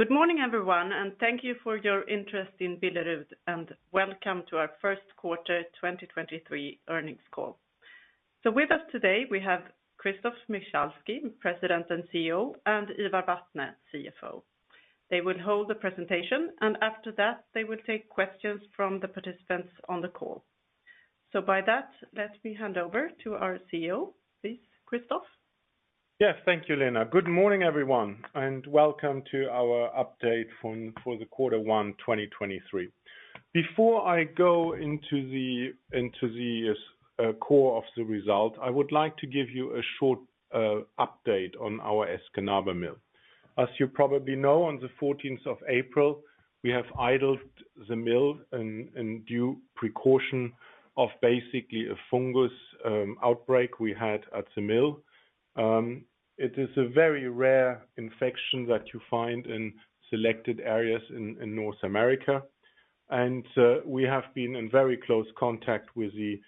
Good morning, everyone, and thank you for your interest in Billerud, and welcome to our first quarter 2023 earnings call. With us today we have Christoph Michalski, President and CEO, and Ivar Vatne, CFO. They will hold the presentation, and after that they will take questions from the participants on the call. By that, let me hand over to our CEO, please, Christoph. Yes. Thank you, Lena. Good morning, everyone, welcome to our update from, for the quarter one, 2023. Before I go into the, into the core of the result, I would like to give you a short update on our Escanaba mill. As you probably know, on the 14th of April, we have idled the mill in due precaution of basically a fungus outbreak we had at the mill. It is a very rare infection that you find in selected areas in North America. We have been in very close contact with the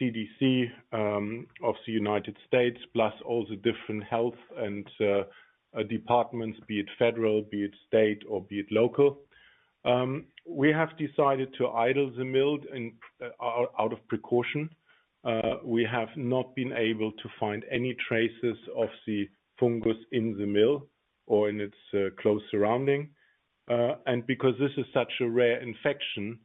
CDC of the United States, plus all the different health and departments, be it federal, be it state, or be it local. We have decided to idle the mill and out of precaution. We have not been able to find any traces of the fungus in the mill or in its close surrounding. Because this is such a rare infection,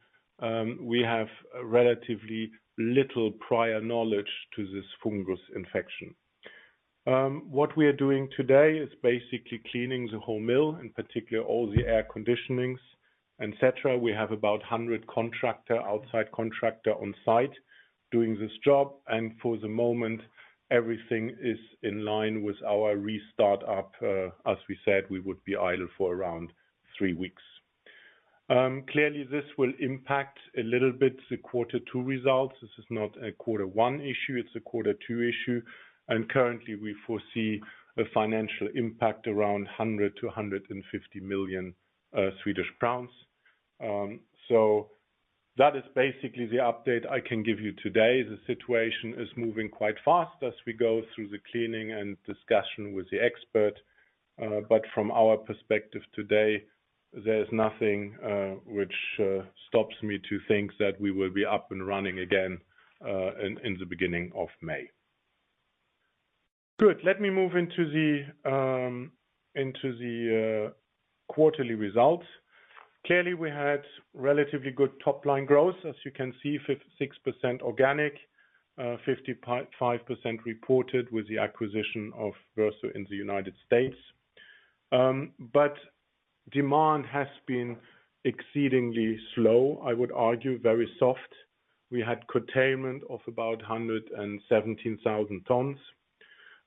we have relatively little prior knowledge to this fungus infection. What we are doing today is basically cleaning the whole mill, in particular all the air conditionings, et cetera. We have about 100 contractor, outside contractor on site doing this job. For the moment, everything is in line with our restart up. As we said, we would be idle for around three weeks. Clearly this will impact a little bit the quarter two results. This is not a quarter one issue, it's a quarter two issue. Currently we foresee a financial impact around 100 million-150 million Swedish crowns. That is basically the update I can give you today. The situation is moving quite fast as we go through the cleaning and discussion with the expert. From our perspective today, there's nothing which stops me to think that we will be up and running again in the beginning of May. Good. Let me move into the quarterly results. Clearly, we had relatively good top line growth. As you can see, 56% organic, 55% reported with the acquisition of Verso in the United States. Demand has been exceedingly slow. I would argue very soft. We had containment of about 117,000 tons.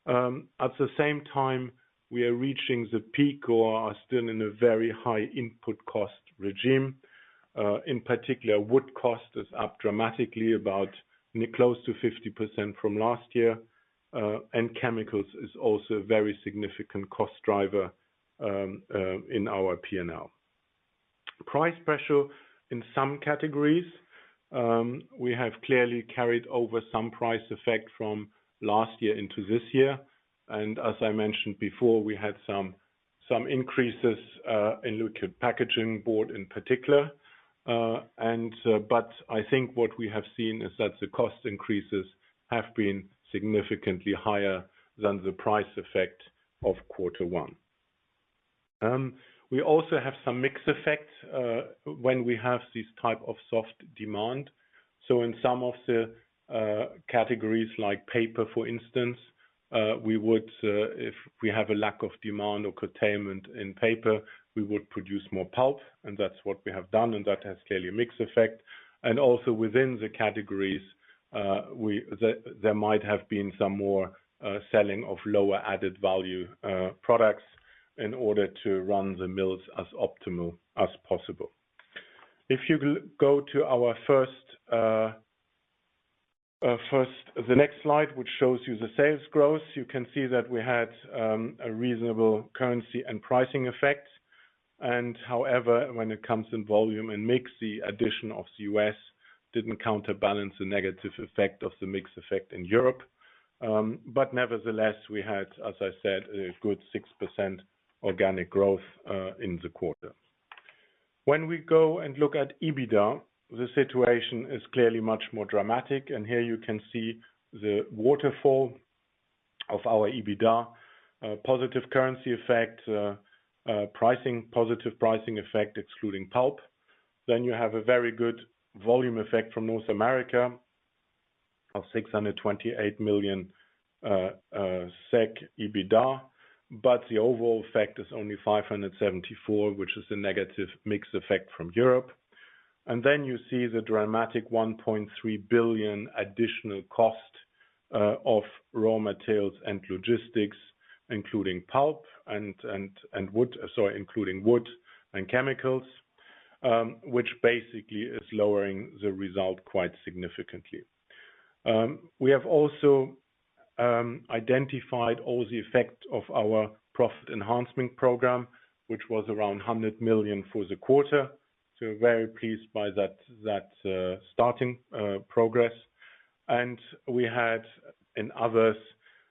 At the same time, we are reaching the peak or are still in a very high input cost regime. In particular, wood cost is up dramatically about close to 50% from last year. Chemicals is also a very significant cost driver in our P&L. Price pressure in some categories. We have clearly carried over some price effect from last year into this year. As I mentioned before, we had some increases in liquid packaging board in particular. I think what we have seen is that the cost increases have been significantly higher than the price effect of Q1. We also have some mix effects when we have this type of soft demand. In some of the categories like paper for instance, we would, if we have a lack of demand or containment in paper, we would produce more pulp, and that's what we have done, and that has clearly a mix effect. Also within the categories, there might have been some more selling of lower added value products in order to run the mills as optimal as possible. If you go to our first The next slide, which shows you the sales growth, you can see that we had a reasonable currency and pricing effect. However, when it comes in volume and mix, the addition of the U.S. didn't counterbalance the negative effect of the mix effect in Europe. Nevertheless, we had, as I said, a good 6% organic growth in the quarter. When we go and look at EBITDA, the situation is clearly much more dramatic. Here you can see the waterfall of our EBITDA, positive currency effect, pricing, positive pricing effect excluding pulp. You have a very good volume effect from North America of 628 million SEK EBITDA. The overall effect is only 574, which is a negative mix effect from Europe. You see the dramatic 1.3 billion additional cost of raw materials and logistics, including pulp and wood, sorry, including wood and chemicals, which basically is lowering the result quite significantly. We have also identified all the effect of our profit enhancement program, which was around 100 million for the quarter. Very pleased by that starting progress. We had in others,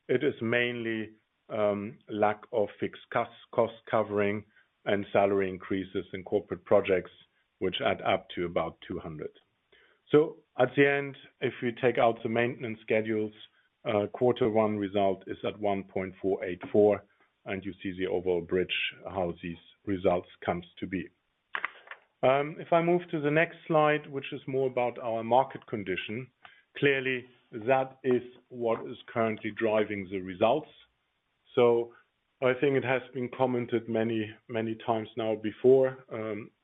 it is mainly lack of fixed cost covering and salary increases in corporate projects, which add up to about 200. At the end, if you take out the maintenance schedules, quarter one result is at 1.484, and you see the overall bridge, how these results comes to be. If I move to the next slide, which is more about our market condition, clearly that is what is currently driving the results. I think it has been commented many, many times now before.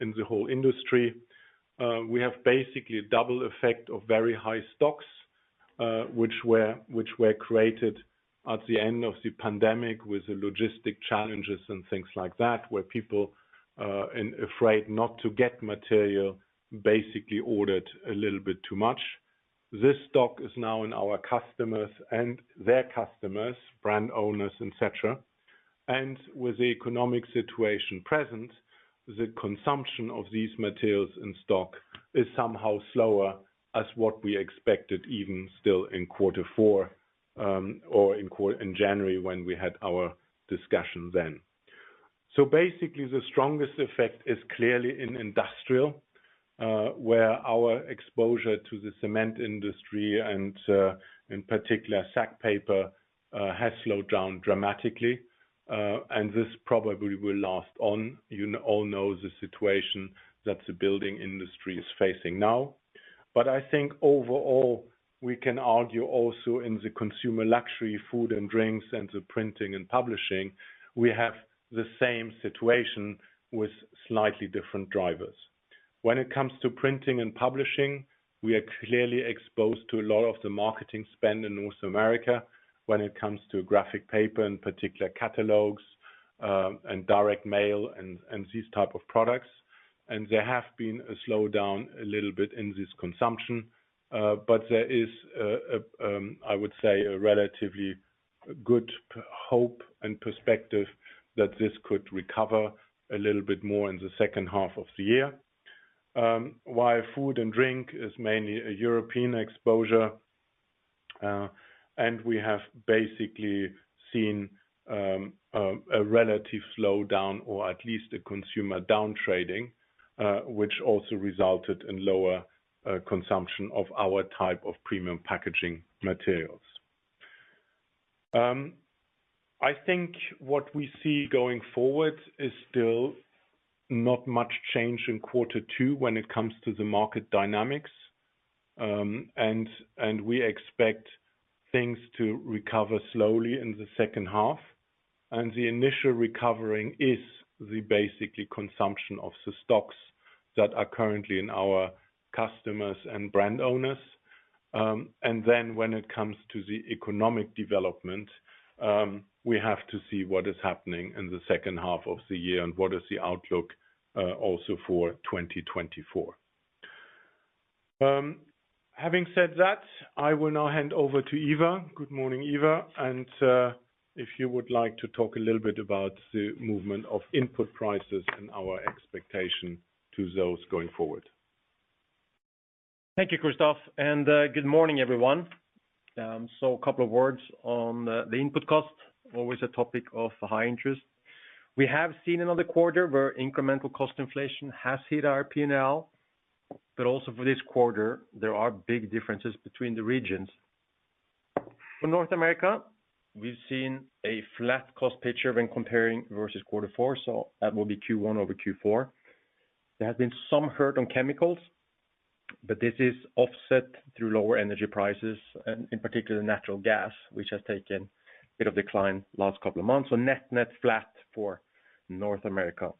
In the whole industry, we have basically a double effect of very high stocks, which were created at the end of the pandemic with the logistics challenges and things like that, where people, afraid not to get material, basically ordered a little bit too much. This stock is now in our customers and their customers, brand owners, et cetera. With the economic situation present, the consumption of these materials in stock is somehow slower as what we expected, even still in quarter four, or in January when we had our discussion then. Basically, the strongest effect is clearly in industrial, where our exposure to the cement industry and in particular sack paper has slowed down dramatically, and this probably will last on. You all know the situation that the building industry is facing now. I think overall, we can argue also in the consumer luxury food and drinks and the printing and publishing, we have the same situation with slightly different drivers. When it comes to printing and publishing, we are clearly exposed to a lot of the marketing spend in North America when it comes to graphic paper, in particular catalogs, and direct mail and these type of products. There have been a slowdown a little bit in this consumption, but there is a, I would say a relatively good hope and perspective that this could recover a little bit more in the second half of the year. While food and drink is mainly a European exposure, we have basically seen a relative slowdown or at least a consumer down trading, which also resulted in lower consumption of our type of premium packaging materials. I think what we see going forward is still not much change in quarter two when it comes to the market dynamics. We expect things to recover slowly in the second half. The initial recovering is the basically consumption of the stocks that are currently in our customers and brand owners. When it comes to the economic development, we have to see what is happening in the second half of the year and what is the outlook also for 2024. Having said that, I will now hand over to Ivar. Good morning, Ivar. If you would like to talk a little bit about the movement of input prices and our expectation to those going forward. Thank you, Christoph, and good morning, everyone. A couple of words on the input cost. Always a topic of high interest. We have seen another quarter where incremental cost inflation has hit our P&L, but also for this quarter, there are big differences between the regions. For North America, we've seen a flat cost picture when comparing versus quarter four, so that will be Q1 over Q4. There has been some hurt on chemicals, but this is offset through lower energy prices, and in particular, natural gas, which has taken a bit of decline last couple of months. Net-net flat for North America.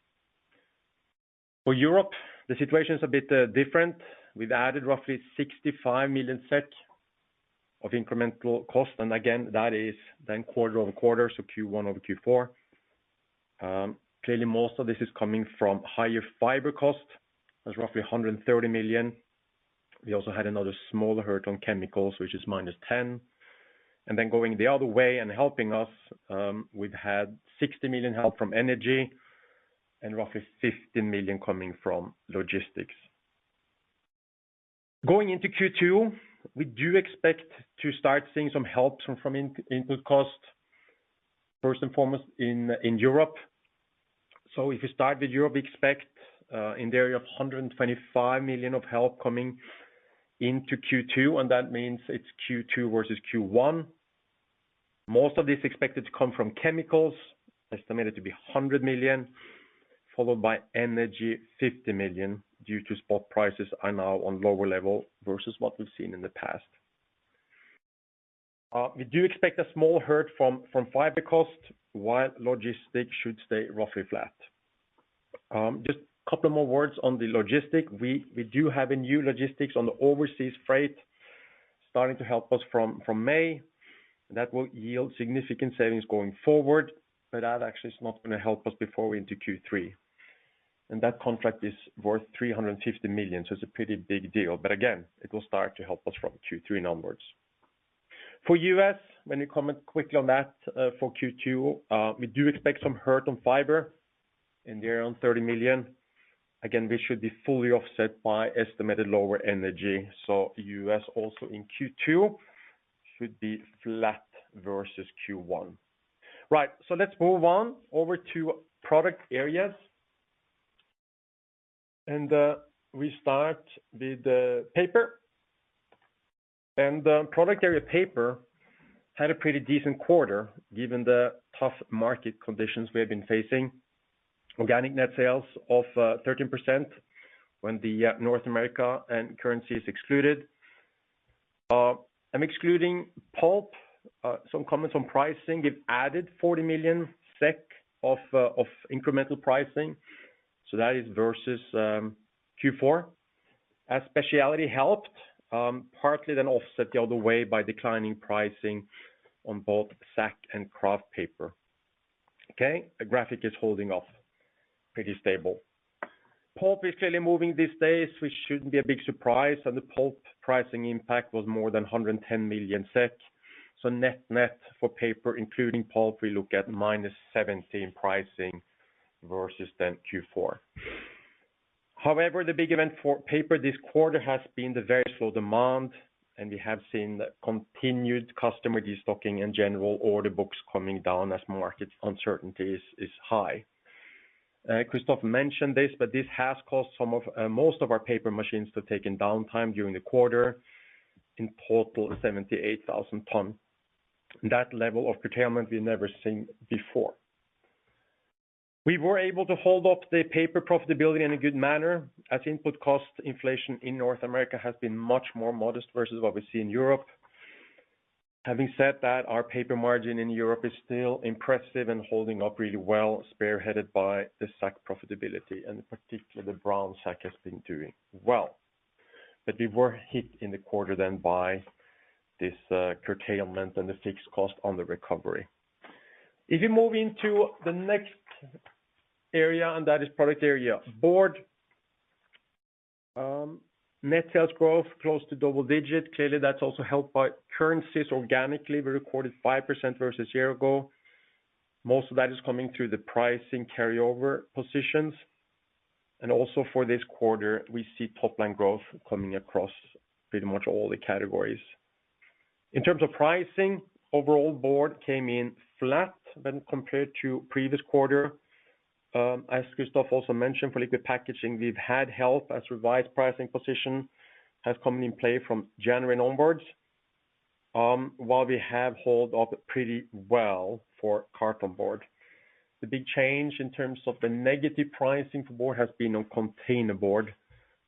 For Europe, the situation is a bit different. We've added roughly 65 million SEK of incremental cost. Again, that is then quarter-over-quarter, so Q1 over Q4. Clearly, most of this is coming from higher fiber cost. That's roughly 130 million. We also had another smaller hurt on chemicals, which is minus 10 million. Going the other way and helping us, we've had 60 million help from energy and roughly 15 million coming from logistics. Going into Q2, we do expect to start seeing some help from input costs, first and foremost in Europe. If you start with Europe, we expect in the area of 125 million of help coming into Q2, and that means it's Q2 versus Q1. Most of this expected to come from chemicals, estimated to be 100 million, followed by energy, 50 million, due to spot prices are now on lower level versus what we've seen in the past. We do expect a small hurt from fiber cost, while logistics should stay roughly flat. Just a couple more words on the logistics. We do have a new logistics on the overseas freight starting to help us from May. That will yield significant savings going forward, but that actually is not going to help us before we enter Q3. That contract is worth 350 million, so it is a pretty big deal. Again, it will start to help us from Q3 onwards. For U.S., let me comment quickly on that, for Q2, we do expect some hurt on fiber in there on 30 million. Again, we should be fully offset by estimated lower energy. US also in Q2 should be flat versus Q1. Right. Let us move on over to product areas. We start with the paper. The product area paper had a pretty decent quarter, given the tough market conditions we have been facing. Organic net sales of 13% when the North America and currency is excluded. I'm excluding pulp, some comments on pricing. It added 40 million SEK of incremental pricing. That is versus Q4. Specialty helped, partly then offset the other way by declining pricing on both sack and kraft paper. The graphic is holding off pretty stable. Pulp is clearly moving these days, which shouldn't be a big surprise, and the pulp pricing impact was more than 110 million SEK. Net net for paper, including pulp, we look at -17 pricing versus then Q4. The big event for paper this quarter has been the very slow demand. We have seen continued customer destocking and general order books coming down as market uncertainty is high. Christoph mentioned this, but this has caused some of most of our paper machines to take in downtime during the quarter, in total 78,000 tons. That level of curtailment we've never seen before. We were able to hold up the paper profitability in a good manner as input cost inflation in North America has been much more modest versus what we see in Europe. Having said that, our paper margin in Europe is still impressive and holding up really well, spearheaded by the sack profitability, and particularly the brown sack has been doing well. We were hit in the quarter then by this curtailment and the fixed cost on the recovery. If you move into the next area, and that is product area board, net sales growth close to double-digit. Clearly, that's also helped by currencies organically. We recorded 5% versus a year ago. Most of that is coming through the pricing carryover positions. Also for this quarter, we see top line growth coming across pretty much all the categories. In terms of pricing, overall board came in flat when compared to previous quarter. As Christoph also mentioned, for liquid packaging, we've had help as revised pricing position has come in play from January onwards, while we have hold up pretty well for cartonboard. The big change in terms of the negative pricing for board has been on containerboard,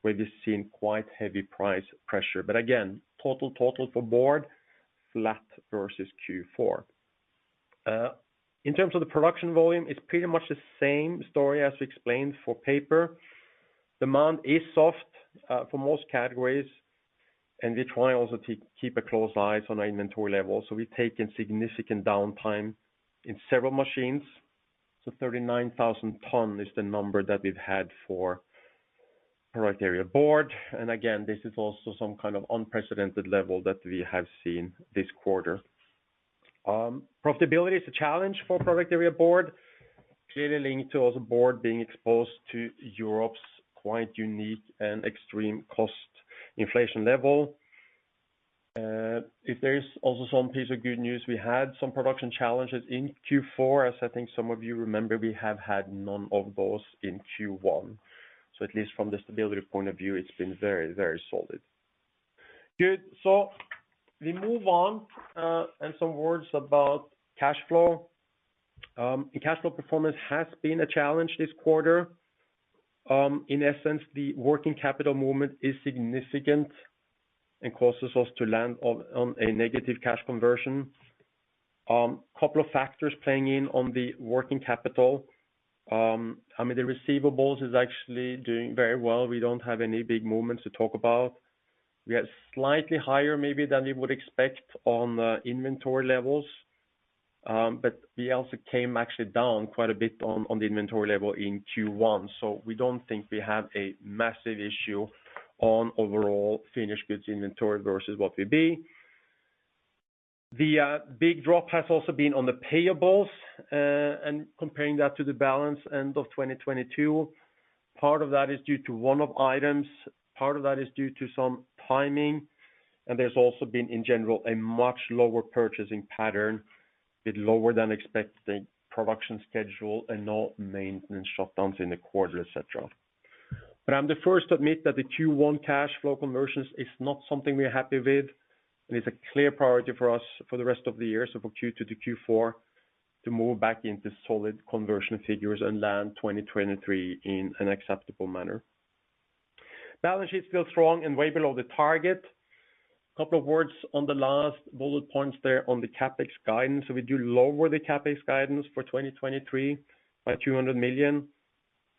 where we've seen quite heavy price pressure. Again, total for board, flat versus Q4. In terms of the production volume, it's pretty much the same story as we explained for paper. Demand is soft for most categories, and we try also to keep a close eye on our inventory levels. We've taken significant downtime in several machines. 39,000 tons is the number that we've had for product area Board. Again, this is also some kind of unprecedented level that we have seen this quarter. Profitability is a challenge for product area Board, clearly linked to also Board being exposed to Europe's quite unique and extreme cost inflation level. If there is also some piece of good news, we had some production challenges in Q4. As I think some of you remember, we have had none of those in Q1. At least from the stability point of view, it's been very, very solid. Good. We move on, and some words about cash flow. Cash flow performance has been a challenge this quarter. In essence, the working capital movement is significant and causes us to land on a negative cash conversion. Couple of factors playing in on the working capital. I mean, the receivables is actually doing very well. We don't have any big movements to talk about. We are slightly higher maybe than we would expect on inventory levels, but we also came actually down quite a bit on the inventory level in Q1. We don't think we have a massive issue on overall finished goods inventory versus what we bill. The big drop has also been on the payables and comparing that to the balance end of 2022. Part of that is due to one-off items, part of that is due to some timing, and there's also been, in general, a much lower purchasing pattern with lower-than-expected production schedule and no maintenance shutdowns in the quarter, et cetera. I'm the first to admit that the Q1 cash flow conversions is not something we're happy with, and it's a clear priority for us for the rest of the year, so for Q2 to Q4, to move back into solid conversion figures and land 2023 in an acceptable manner. Balance sheet still strong and way below the target. A couple of words on the last bullet points there on the CapEx guidance. We do lower the CapEx guidance for 2023 by 200 million.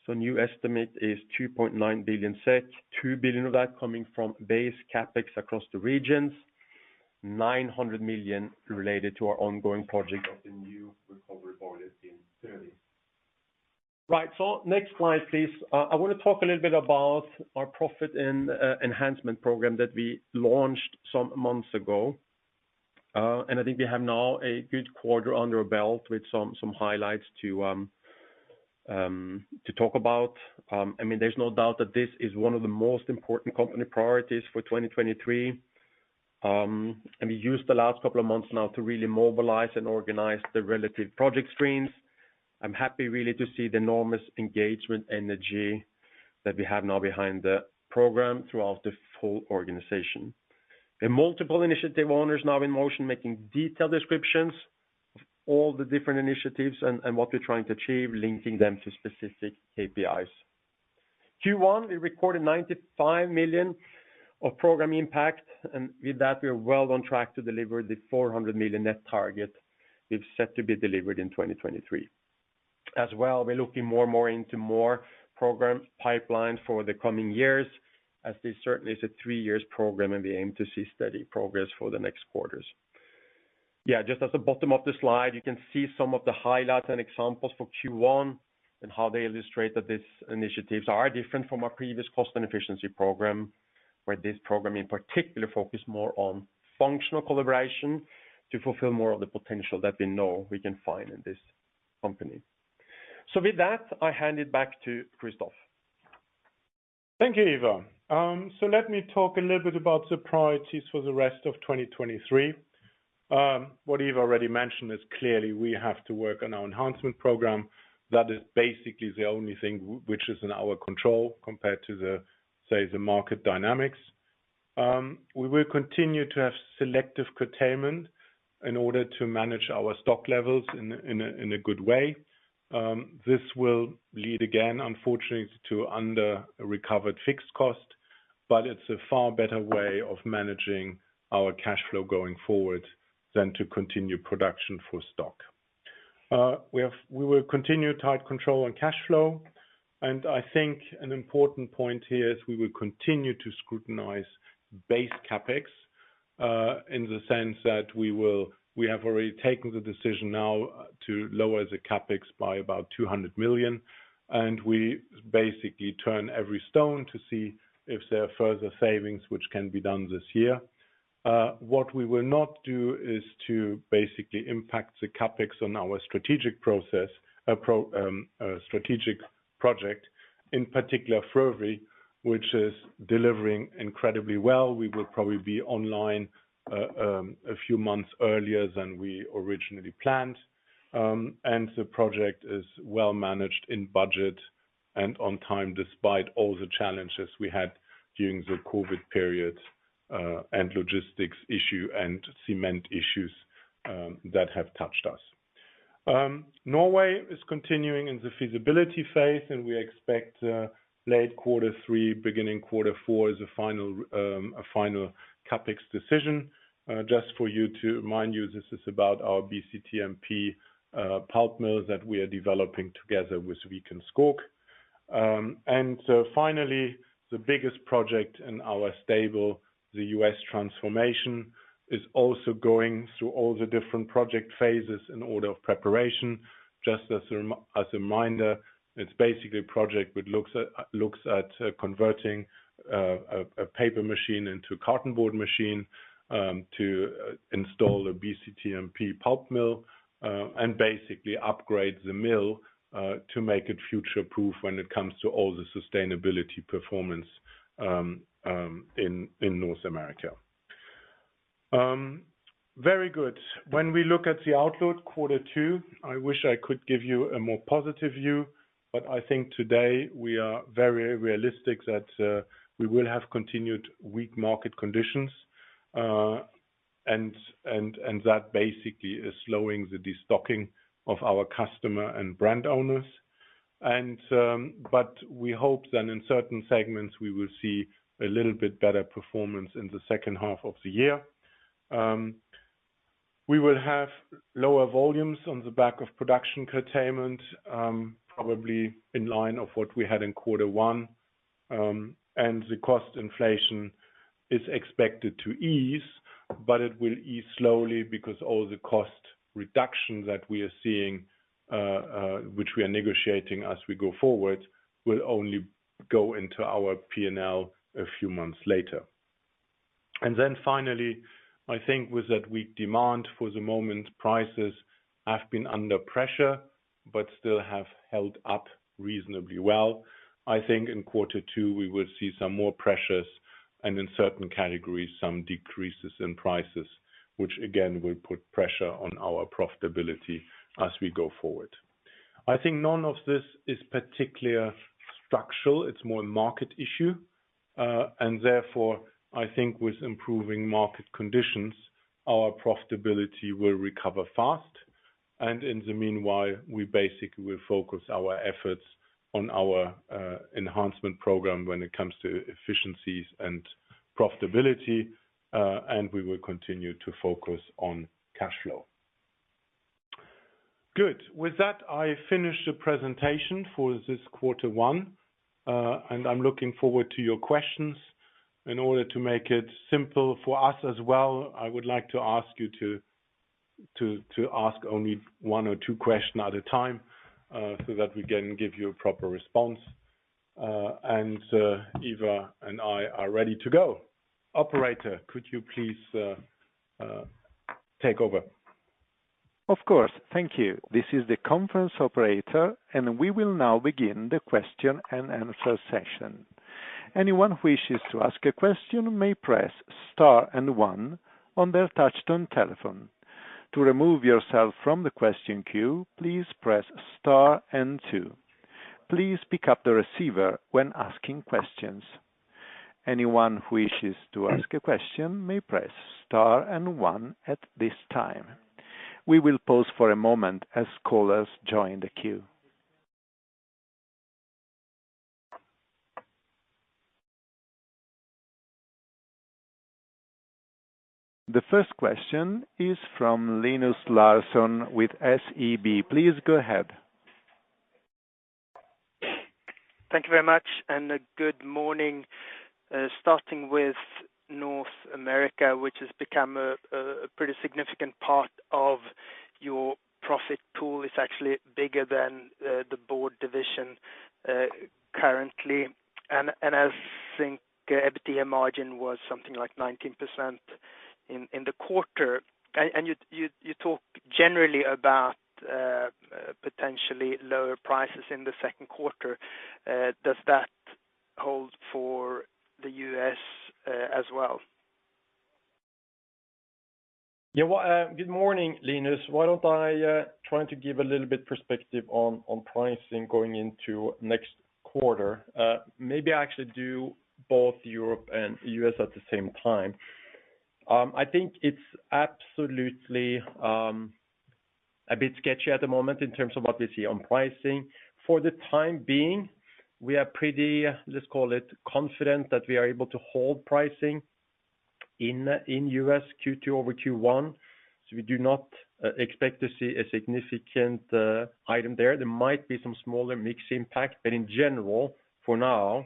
New estimate is 2.9 billion, 2 billion of that coming from base CapEx across the regions, 900 million related to our ongoing project of the new recovery boiler in Frövi. Next slide, please. I wanna talk a little bit about our profit enhancement program that we launched some months ago. I think we have now a good quarter under our belt with some highlights to talk about. I mean, there's no doubt that this is one of the most important company priorities for 2023. We used the last couple of months now to really mobilize and organize the relative project streams. I'm happy really to see the enormous engagement energy that we have now behind the program throughout the full organization. Multiple initiative owners now in motion making detailed descriptions of all the different initiatives and what we're trying to achieve, linking them to specific KPIs. Q1, we recorded 95 million of program impact, and with that, we are well on track to deliver the 400 million net target we've set to be delivered in 2023. We're looking more and more into more program pipelines for the coming years as this certainly is a three years program, and we aim to see steady progress for the next quarters. Yeah, just at the bottom of the slide, you can see some of the highlights and examples for Q1 and how they illustrate that these initiatives are different from our previous cost and efficiency program, where this program in particular focus more on functional collaboration to fulfill more of the potential that we know we can find in this company. With that, I hand it back to Christoph. Thank you, Ivar. Let me talk a little bit about the priorities for the rest of 2023. What you've already mentioned is clearly we have to work on our enhancement program. That is basically the only thing which is in our control compared to the, say, the market dynamics. We will continue to have selective curtailment in order to manage our stock levels in a good way. This will lead again, unfortunately, to under-recovered fixed cost, but it's a far better way of managing our cash flow going forward than to continue production for stock. We will continue tight control on cash flow. I think an important point here is we will continue to scrutinize base CapEx in the sense that we have already taken the decision now to lower the CapEx by about 200 million. We basically turn every stone to see if there are further savings which can be done this year. What we will not do is to basically impact the CapEx on our strategic process, strategic project, in particular, Frövi, which is delivering incredibly well. We will probably be online a few months earlier than we originally planned. The project is well managed in budget and on time despite all the challenges we had during the COVID period, and logistics issue and cement issues that have touched us. Norway is continuing in the feasibility phase, and we expect late quarter three, beginning quarter four as a final CapEx decision. Just for you to remind you, this is about our BCTMP pulp mill that we are developing together with Norske Skog. Finally, the biggest project in our stable, the U.S. transformation, is also going through all the different project phases in order of preparation. Just as a reminder, it's basically a project which looks at converting a paper machine into a cartonboard machine, to install a BCTMP pulp mill, and basically upgrade the mill to make it future-proof when it comes to all the sustainability performance in North America. Very good. When we look at the outlook quarter two, I wish I could give you a more positive view, but I think today we are very realistic that we will have continued weak market conditions, and that basically is slowing the destocking of our customer and brand owners. We hope that in certain segments, we will see a little bit better performance in the second half of the year. We will have lower volumes on the back of production curtailment, probably in line of what we had in quarter one. The cost inflation is expected to ease, but it will ease slowly because all the cost reduction that we are seeing, which we are negotiating as we go forward, will only go into our P&L a few months later. Finally, I think with that weak demand for the moment, prices have been under pressure, but still have held up reasonably well. I think in quarter two, we will see some more pressures and in certain categories, some decreases in prices, which again will put pressure on our profitability as we go forward. I think none of this is particularly structural. It's more a market issue. Therefore, I think with improving market conditions, our profitability will recover fast. In the meanwhile, we basically will focus our efforts on our enhancement program when it comes to efficiencies and profitability, we will continue to focus on cash flow. Good. With that, I finish the presentation for this quarter one, I'm looking forward to your questions. In order to make it simple for us as well, I would like to ask you to ask only one or two question at a time so that we can give you a proper response. Eva and I are ready to go. Operator, could you please take over? Of course. Thank you. This is the conference operator, and we will now begin the question-and-answer session. Anyone who wishes to ask a question may press star and one on their touchtone telephone. To remove yourself from the question queue, please press star and two. Please pick up the receiver when asking questions. Anyone who wishes to ask a question may press star and one at this time. We will pause for a moment as callers join the queue. The first question is from Linus Larsson with SEB. Please go ahead. Thank you very much, and good morning. Starting with North America, which has become a pretty significant part of your profit pool. It's actually bigger than the board division currently. I think EBITDA margin was something like 19% in the quarter. You talk generally about potentially lower prices in the second quarter. Does that hold for the U.S. as well? Good morning, Linus. Why don't I try to give a little bit perspective on pricing going into next quarter. Maybe I actually do both Europe and U.S. at the same time. I think it's absolutely a bit sketchy at the moment in terms of what we see on pricing. For the time being, we are pretty, let's call it, confident that we are able to hold pricing in U.S. Q2 over Q1. We do not expect to see a significant item there. There might be some smaller mix impact, but in general, for now,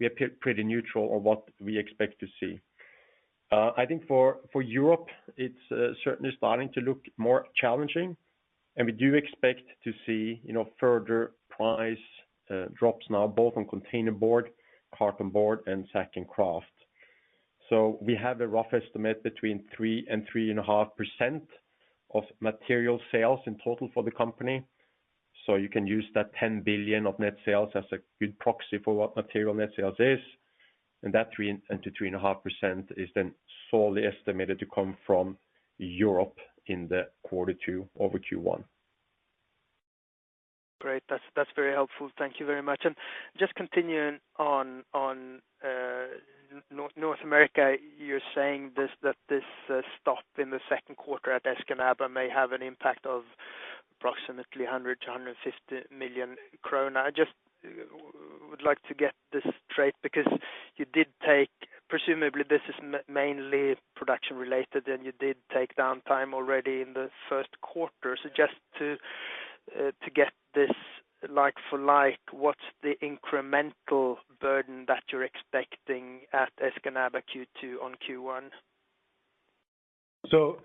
we are pretty neutral on what we expect to see. I think for Europe, it's certainly starting to look more challenging, we do expect to see, you know, further price drops now, both on containerboard, cartonboard and sack and kraft. We have a rough estimate between 3% and 3.5% of material sales in total for the company. You can use that 10 billion of net sales as a good proxy for what material net sales is. That 3% and to 3.5% is then solely estimated to come from Europe in the Q2 over Q1. Great. That's very helpful. Thank you very much. Just continuing on North America, you're saying this, that this stop in the second quarter at Escanaba may have an impact of approximately 100 million-150 million krona. I just would like to get this straight because you did take... Presumably, this is mainly production-related, and you did take downtime already in the first quarter. Just to get this like for like, what's the incremental burden that you're expecting at Escanaba Q2 on Q1?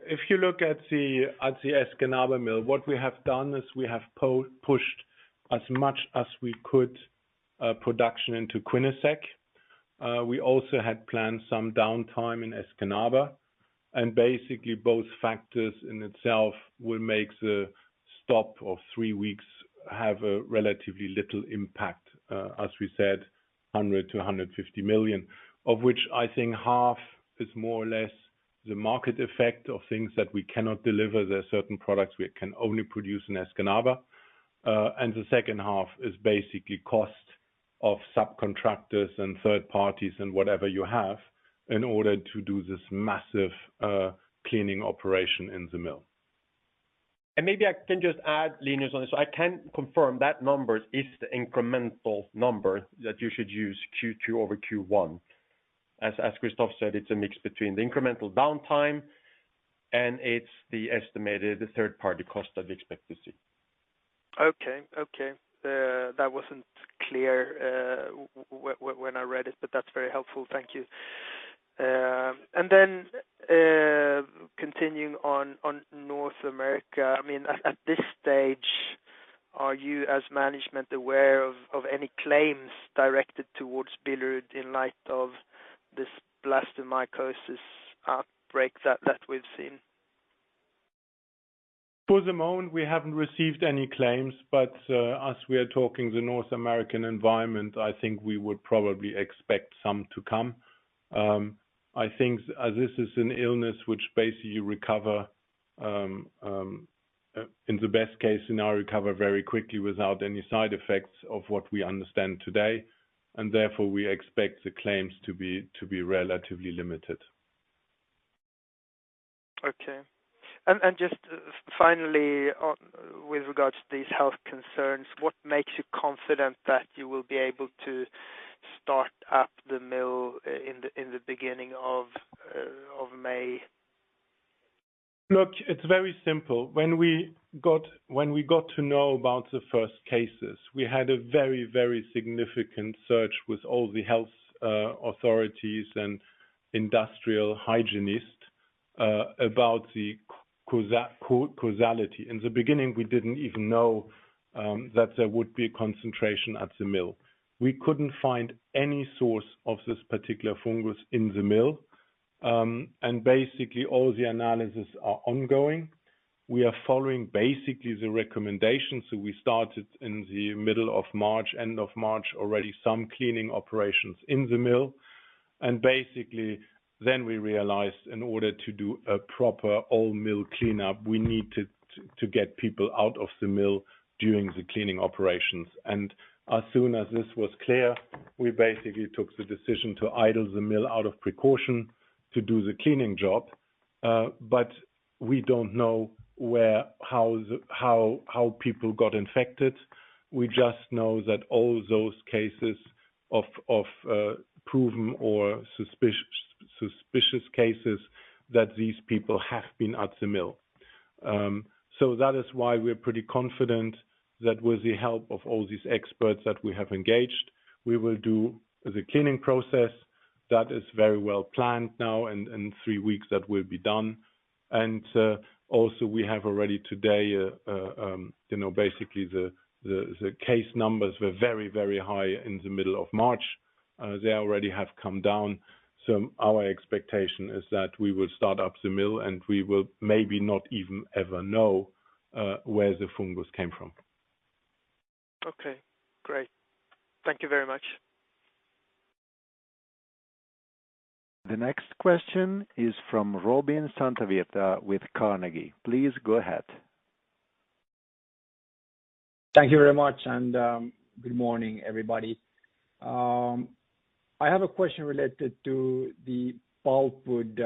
If you look at the Escanaba mill, what we have done is we have pushed as much as we could production into Quinnesec. We also had planned some downtime in Escanaba, basically both factors in itself will make the stop of three weeks have a relatively little impact, as we said, 100 million-150 million. Of which I think half is more or less the market effect of things that we cannot deliver. There are certain products we can only produce in Escanaba. The second half is basically cost of subcontractors and third parties and whatever you have in order to do this massive cleaning operation in the mill. Maybe I can just add, Linus, on this. I can confirm that number is the incremental number that you should use Q2 over Q1. As Christoph said, it's a mix between the incremental downtime, and it's the estimated third-party cost that we expect to see. Okay. That wasn't clear when I read it, but that's very helpful. Thank you. Then continuing on North America, I mean, at this stage, are you as management aware of any claims directed towards Billerud in light of this blastomycosis outbreak that we've seen? For the moment, we haven't received any claims, but, as we are talking the North American environment, I think we would probably expect some to come. I think as this is an illness which basically you recover, in the best-case scenario, recover very quickly without any side effects of what we understand today, and therefore, we expect the claims to be relatively limited. Okay. Just finally with regards to these health concerns, what makes you confident that you will be able to start up the mill in the beginning of May? Look, it's very simple. When we got, when we got to know about the first cases, we had a very, very significant search with all the health authorities and industrial hygienist about the causality. In the beginning, we didn't even know that there would be a concentration at the mill. We couldn't find any source of this particular fungus in the mill. Basically all the analysis are ongoing. We are following basically the recommendations that we started in the middle of March, end of March, already some cleaning operations in the mill. Basically then we realized in order to do a proper all mill cleanup, we need to get people out of the mill during the cleaning operations. As soon as this was clear, we basically took the decision to idle the mill out of precaution to do the cleaning job. We don't know where, how people got infected. We just know that all those cases of proven or suspicious cases that these people have been at the mill. That is why we're pretty confident that with the help of all these experts that we have engaged, we will do the cleaning process that is very well planned now and three weeks that will be done. Also we have already today, you know, basically the case numbers were very, very high in the middle of March. They already have come down. Our expectation is that we will start up the mill, and we will maybe not even ever know where the fungus came from. Okay, great. Thank you very much. The next question is from Robin Santavirta with Carnegie. Please go ahead. Thank you very much. Good morning, everybody. I have a question related to the pulpwood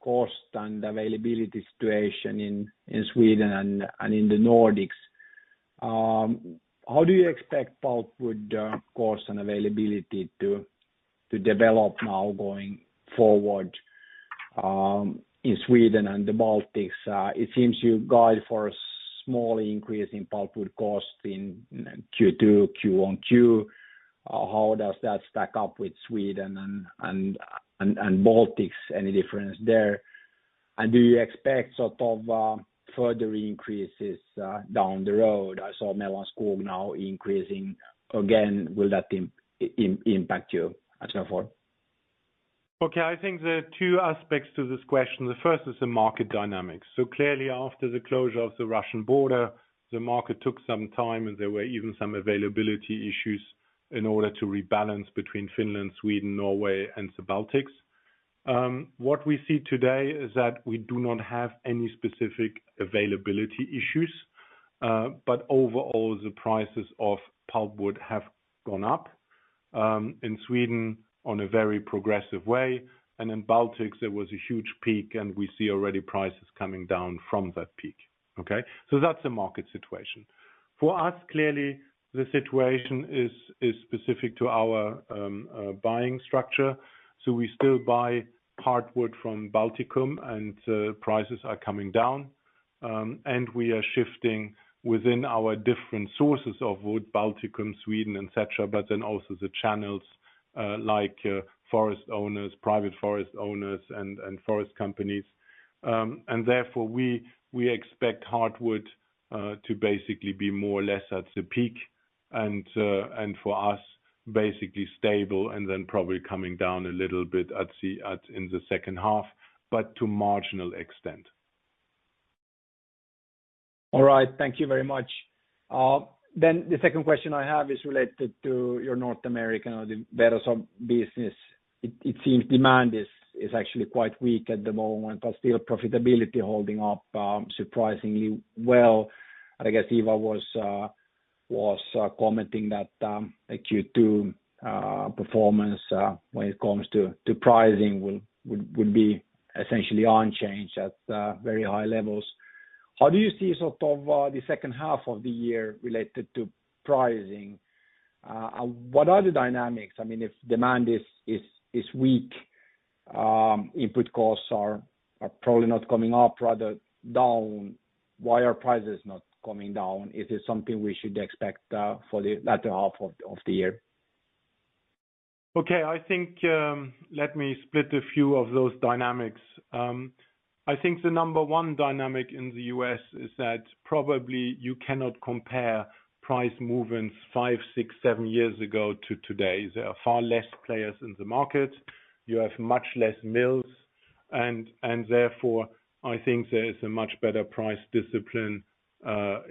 cost and availability situation in Sweden and in the Nordics. How do you expect pulpwood cost and availability to develop now going forward in Sweden and the Baltics? It seems you guide for a small increase in pulpwood cost in Q2, Q1. How does that stack up with Sweden and Baltics? Any difference there? Do you expect sort of further increases down the road? I saw Mellanskog now increasing again. Will that impact you at all? Okay. I think there are two aspects to this question. The first is the market dynamics. Clearly after the closure of the Russian border, the market took some time, and there were even some availability issues in order to rebalance between Finland, Sweden, Norway and the Baltics. What we see today is that we do not have any specific availability issues, but overall the prices of pulpwood have gone up, in Sweden on a very progressive way. In Baltics there was a huge peak and we see already prices coming down from that peak. Okay? That's the market situation. For us, clearly the situation is specific to our buying structure. We still buy hard wood from Balticum and prices are coming down. We are shifting within our different sources of wood, Balticum, Sweden, et cetera. Also the channels, like, forest owners, private forest owners and forest companies. We expect hardwood, to basically be more or less at the peak and, for us, basically stable and then probably coming down a little bit in the second half, but to marginal extent. All right. Thank you very much. The second question I have is related to your North American or the Verso business. It seems demand is actually quite weak at the moment, but still profitability holding up surprisingly well. I guess Iva was commenting that Q2 performance when it comes to pricing will be essentially unchanged at very high levels. How do you see sort of the second half of the year related to pricing? What are the dynamics? I mean, if demand is weak, input costs are probably not coming up rather down. Why are prices not coming down? Is it something we should expect for the latter half of the year? Okay. I think, let me split a few of those dynamics. I think the number one dynamic in the U.S. is that probably you cannot compare price movements five, six, seven years ago to today. There are far less players in the market. You have much less mills and therefore I think there is a much better price discipline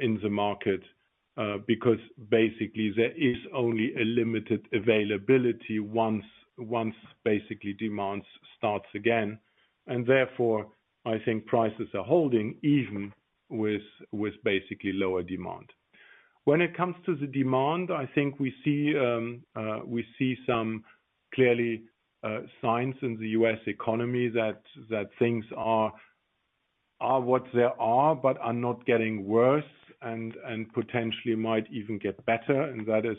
in the market because basically there is only a limited availability once basically demands starts again. Therefore I think prices are holding even with basically lower demand. When it comes to the demand, I think we see, we see some clearly signs in the U.S. economy that things are what they are but are not getting worse and potentially might even get better. That is,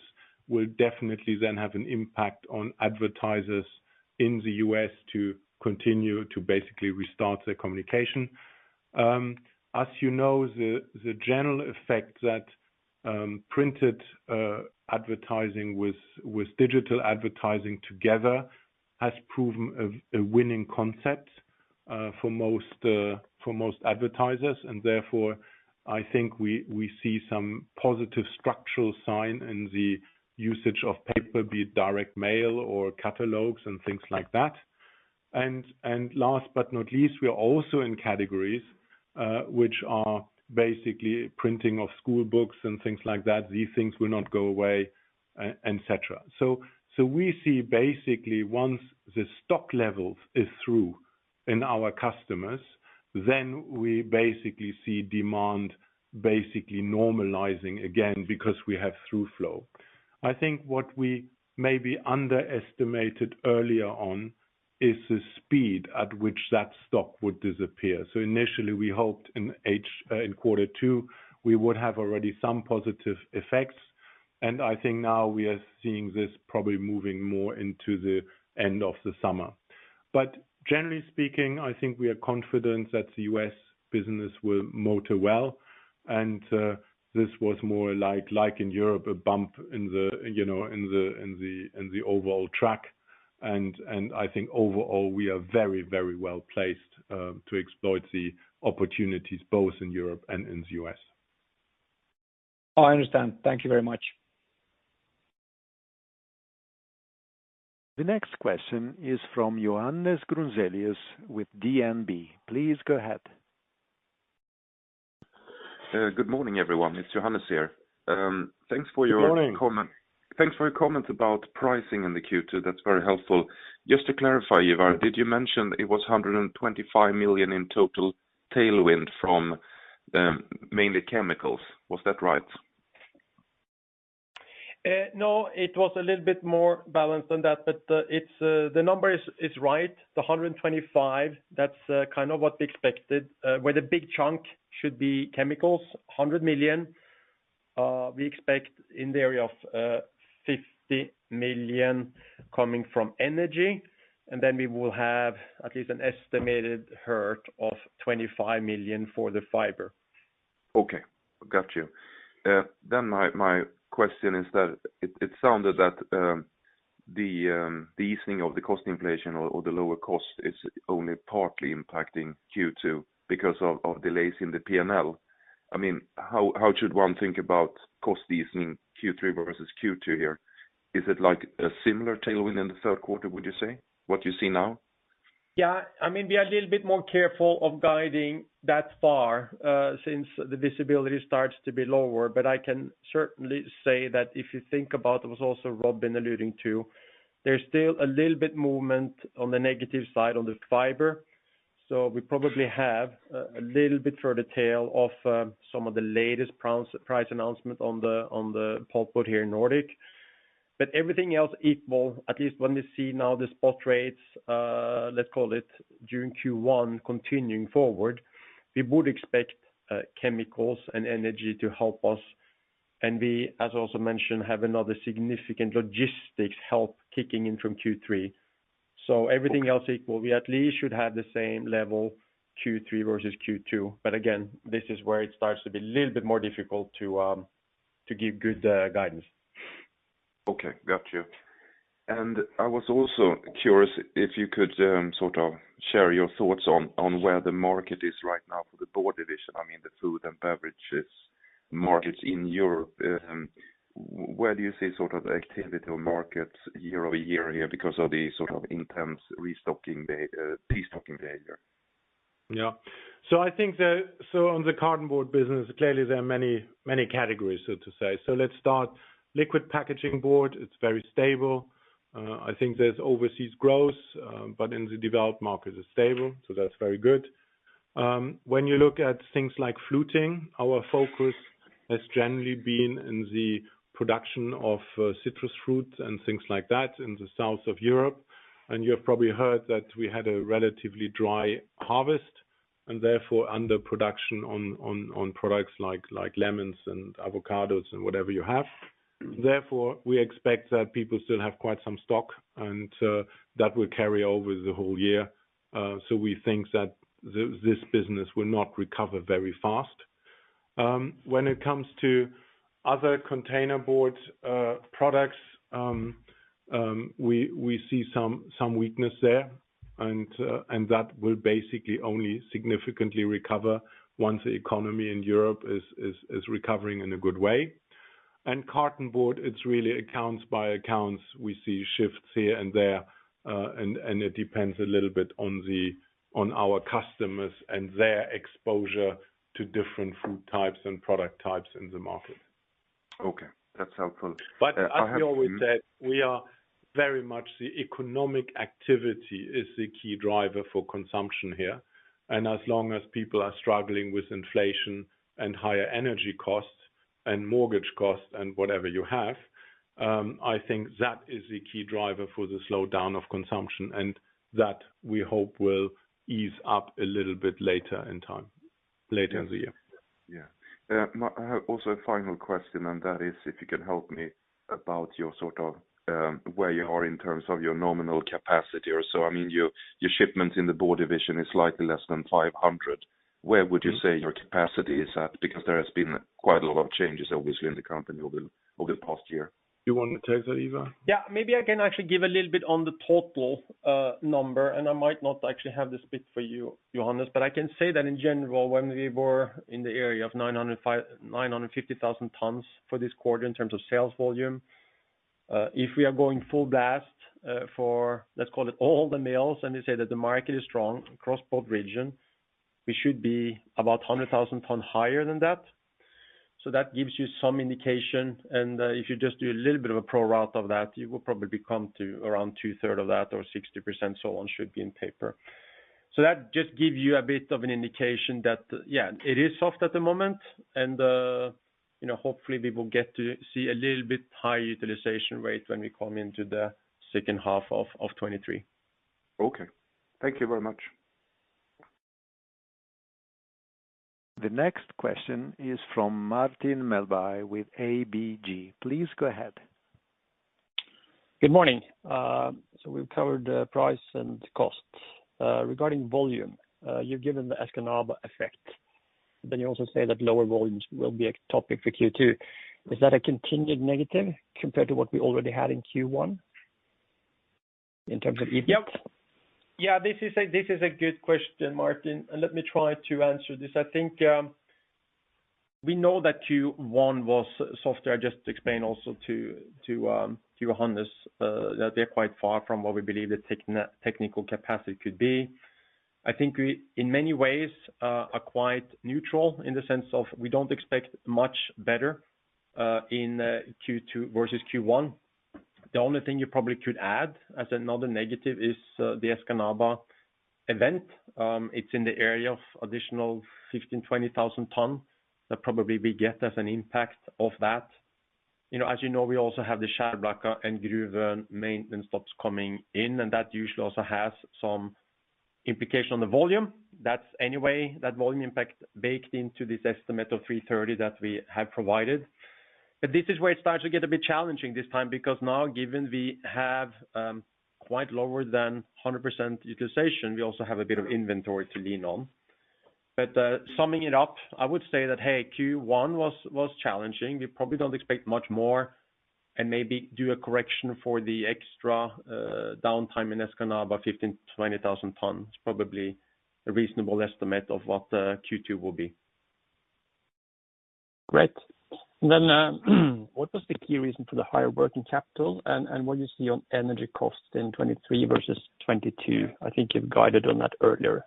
will definitely then have an impact on advertisers in the U.S. to continue to basically restart their communication. As you know, the general effect that printed advertising with digital advertising together has proven a winning concept for most advertisers. Therefore, I think we see some positive structural sign in the usage of paper, be it direct mail or catalogs and things like that. Last but not least, we are also in categories which are basically printing of schoolbooks and things like that. These things will not go away, et cetera. We see basically once the stock level is through in our customers, then we basically see demand basically normalizing again because we have through flow. I think what we maybe underestimated earlier on is the speed at which that stock would disappear. Initially, we hoped in quarter two, we would have already some positive effects. I think now we are seeing this probably moving more into the end of the summer. Generally speaking, I think we are confident that the U.S. business will motor well, and this was more like in Europe, a bump in the, you know, in the overall track. I think overall, we are very, very well-placed to exploit the opportunities both in Europe and in the U.S. Oh, I understand. Thank you very much. The next question is from Johannes Grunselius with DNB. Please go ahead. Good morning, everyone. It's Johannes here. Thanks for your. Good morning. Thanks for your comment about pricing in the Q2. That's very helpful. Just to clarify, Ivar, did you mention it was 125 million in total tailwind from mainly chemicals? Was that right? No, it was a little bit more balanced than that, but it's the number is right. The 125 million, that's kind of what we expected, where the big chunk should be chemicals, 100 million. We expect in the area of 50 million coming from energy, and then we will have at least an estimated herd of 25 million for the fiber. Okay. Got you. My question is that it sounded that the easing of the cost inflation or the lower cost is only partly impacting Q2 because of delays in the P&L. I mean, how should one think about cost easing Q3 versus Q2 here? Is it like a similar tailwind in the third quarter, would you say? What you see now? Yeah. I mean, be a little bit more careful of guiding that far, since the visibility starts to be lower. I can certainly say that if you think about, it was also Robin alluding to, there's still a little bit movement on the negative side on the fiber. We probably have a little bit further tail of some of the latest price announcement on the pulpboard here in Nordic. Everything else equal, at least when we see now the spot rates, let's call it during Q1 continuing forward, we would expect chemicals and energy to help us. We, as also mentioned, have another significant logistics help kicking in from Q3. Everything else equal, we at least should have the same level Q3 versus Q2. Again, this is where it starts to be a little bit more difficult to give good guidance. Okay. Got you. I was also curious if you could sort of share your thoughts on where the market is right now for the board division. I mean, the food and beverages markets in Europe. Where do you see sort of the activity or markets year-over-year here because of the sort of intense restocking destocking behavior? Yeah. I think on the cartonboard business, clearly, there are many, many categories, so to say. Let's start. Liquid packaging board, it's very stable. I think there's overseas growth, but in the developed market is stable, so that's very good. When you look at things like fluting, our focus has generally been in the production of citrus fruits and things like that in the South of Europe. You have probably heard that we had a relatively dry harvest, and therefore, under production on products like lemons and avocados and whatever you have. Therefore, we expect that people still have quite some stock, and that will carry over the whole year. We think that this business will not recover very fast. When it comes to other containerboard products, we see some weakness there, and that will basically only significantly recover once the economy in Europe is recovering in a good way. Cartonboard, it's really accounts by accounts. We see shifts here and there, and it depends a little bit on our customers and their exposure to different food types and product types in the market. Okay. That's helpful. As we always said, we are very much the economic activity is the key driver for consumption here. As long as people are struggling with inflation and higher energy costs and mortgage costs and whatever you have, I think that is the key driver for the slowdown of consumption, and that we hope will ease up a little bit later in time, later in the year. Yeah. I have also a final question, and that is if you can help me about your sort of, where you are in terms of your nominal capacity or so. I mean, your shipment in the board division is slightly less than 500. Where would you say your capacity is at? There has been quite a lot of changes, obviously, in the company over the past year. You want me take that, Ivar? Yeah. Maybe I can actually give a little bit on the total number. I might not actually have the split for you, Johannes. I can say that in general, when we were in the area of 950,000 tons for this quarter in terms of sales volume, if we are going full blast for, let's call it all the mills, and you say that the market is strong across both region we should be about 100,000 tons higher than that. That gives you some indication. If you just do a little bit of a pro route of that, you will probably come to around two-third of that or 60% so on should be in paper. That just gives you a bit of an indication that, yeah, it is soft at the moment. You know, hopefully we will get to see a little bit high utilization rate when we come into the second half of 2023. Okay. Thank you very much. The next question is from Martin Melbye with ABG. Please go ahead. Good morning. We've covered the price and costs. Regarding volume, you've given the Escanaba effect, but you also say that lower volumes will be a topic for Q2. Is that a continued negative compared to what we already had in Q1 in terms of impact? Yep. This is a good question, Martin, let me try to answer this. I think we know that Q1 was softer. I just explained also to Johannes that they're quite far from what we believe the technical capacity could be. I think we, in many ways, are quite neutral in the sense of we don't expect much better in Q2 versus Q1. The only thing you probably could add as another negative is the Escanaba event. It's in the area of additional 15,000-20,000 ton that probably we get as an impact of that. You know, we also have the Karlsborg and Gruvön maintenance stops coming in, that usually also has some implication on the volume. That's anyway, that volume impact baked into this estimate of 330 that we have provided. This is where it starts to get a bit challenging this time because now given we have quite lower than 100% utilization, we also have a bit of inventory to lean on. Summing it up, I would say that, hey, Q1 was challenging. We probably don't expect much more and maybe do a correction for the extra downtime in Escanaba, 15,000-20,000 tons, probably a reasonable estimate of what Q2 will be. Great. What was the key reason for the higher working capital and what you see on energy costs in 2023 versus 2022? I think you've guided on that earlier.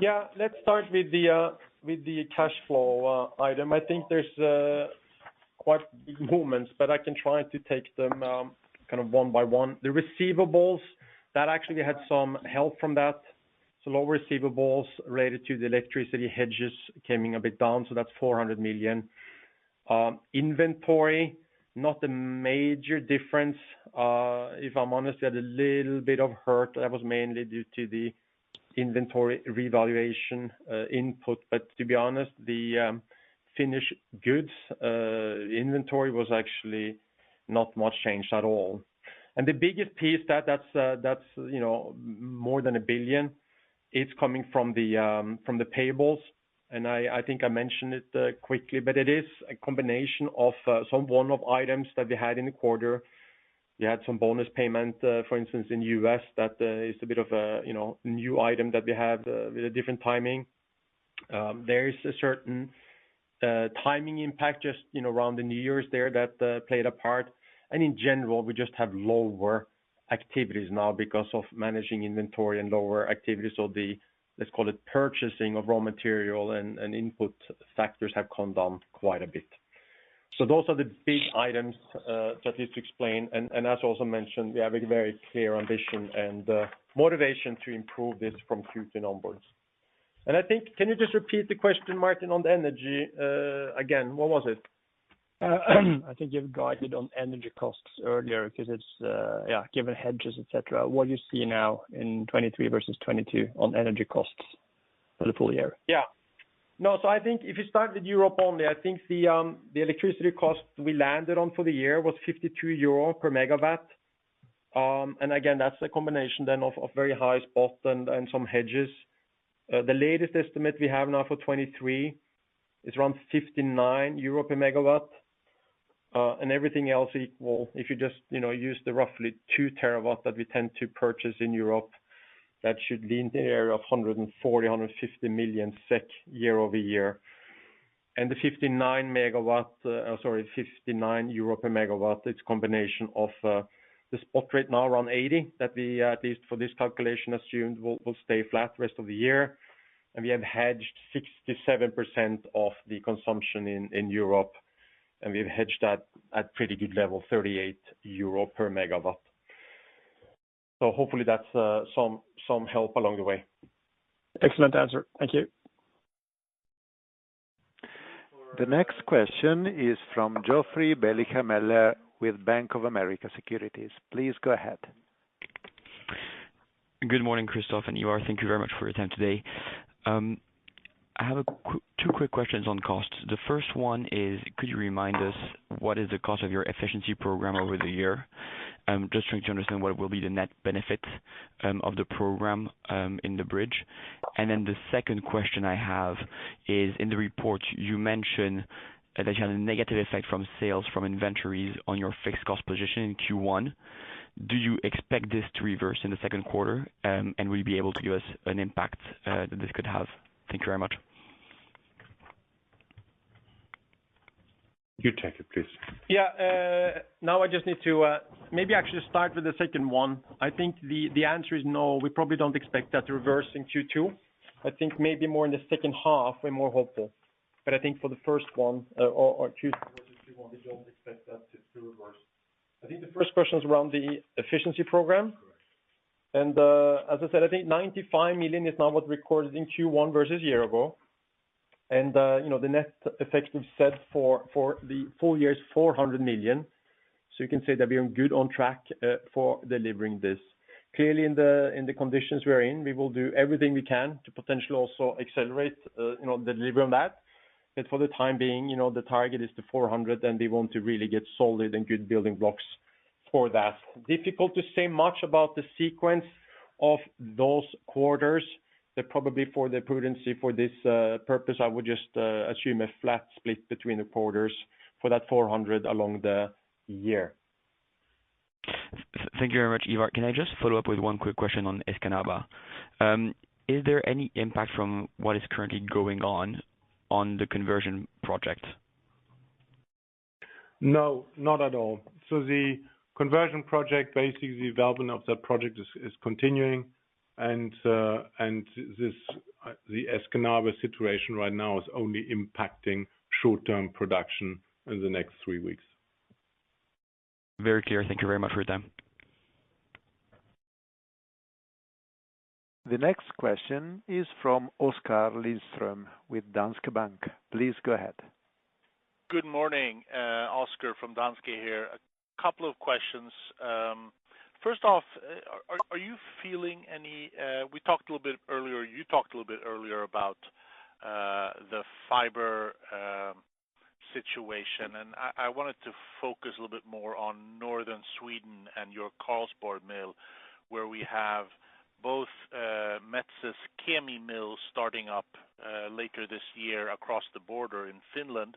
Yeah. Let's start with the with the cash flow item. I think there's quite big movements, but I can try to take them kind of one by one. The receivables, that actually had some help from that. Lower receivables related to the electricity hedges coming a bit down, so that's 400 million. Inventory, not a major difference. If I'm honest, had a little bit of hurt. That was mainly due to the inventory revaluation input. To be honest, the finished goods inventory was actually not much changed at all. The biggest piece that's, you know, more than 1 billion, it's coming from the from the payables. I think I mentioned it quickly, but it is a combination of some one-off items that we had in the quarter. We had some bonus payment, for instance, in U.S. that is a bit of a, you know, new item that we have with a different timing. There is a certain timing impact just, you know, around the New Year's there that played a part. In general, we just have lower activities now because of managing inventory and lower activities. The, let's call it purchasing of raw material and input factors have come down quite a bit. Those are the big items that is explained. As also mentioned, we have a very clear ambition and motivation to improve this from Q2 onwards. I think... Can you just repeat the question, Martin, on the energy again? What was it? I think you've guided on energy costs earlier 'cause it's, yeah, given hedges, et cetera. What you see now in 2023 versus 2022 on energy costs for the full year? No. I think if you start with Europe only, I think the electricity cost we landed on for the year was 52 euro per megawatt. Again, that's a combination then of very high spot and some hedges. The latest estimate we have now for 2023 is around 59 euro per megawatt. Everything else equal, if you just, you know, use the roughly 2 terawatt that we tend to purchase in Europe, that should be in the area of 140 million-150 million SEK year-over-year. The 59 megawatt, sorry, 59 euro per megawatt, it's combination of the spot rate now around 80 that we, at least for this calculation assumed will stay flat rest of the year. We have hedged 67% of the consumption in Europe, and we've hedged that at pretty good level, 38 euro per megawatt. Hopefully that's some help along the way. Excellent answer. Thank you. The next question is from Geoffrey Béchameil with Bank of America Securities. Please go ahead. Good morning, Kristof and Joar. Thank you very much for your time today. I have two quick questions on cost. The first one is, could you remind us what is the cost of your efficiency program over the year? I'm just trying to understand what will be the net benefit of the program in the bridge. Then the second question I have is, in the report you mention that you had a negative effect from sales from inventories on your fixed cost position in Q1. Do you expect this to reverse in the second quarter? Will you be able to give us an impact that this could have? Thank you very much. You take it, please. Now I just need to maybe actually start with the second one. I think the answer is no, we probably don't expect that to reverse in Q2. I think maybe more in the second half, we're more hopeful. I think for the first one, or Q4 to Q1, we don't expect that to reverse. I think the first question is around the efficiency program. Correct. As I said, I think 95 million is now what's recorded in Q1 versus a year ago. You know, the net effect we've set for the full year is 400 million. You can say that we're good on track for delivering this. Clearly, in the conditions we're in, we will do everything we can to potentially also accelerate, you know, delivery on that. For the time being, you know, the target is 400 million, and we want to really get solid and good building blocks for that. Difficult to say much about the sequence of those quarters. Probably for the prudency for this purpose, I would just assume a flat split between the quarters for that 400 million along the year. Thank you very much, Ivar. Can I just follow up with one quick question on Escanaba? Is there any impact from what is currently going on on the conversion project? No, not at all. The conversion project, basically the development of that project is continuing. The Escanaba situation right now is only impacting short-term production in the next three weeks. Very clear. Thank you very much for your time. The next question is from Oscar Lindström with Danske Bank. Please go ahead. Good morning, Oscar from Danske here. A couple of questions. First off, are you feeling any... We talked a little bit earlier, you talked a little bit earlier about the fiber situation, and I wanted to focus a little bit more on northern Sweden and your Karlsborg mill, where we have both Metsä's Kemi mill starting up later this year across the border in Finland.